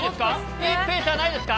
いいペースじゃないですか。